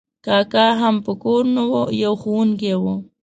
کاکا هم په کور نه و، یو ښوونکی و.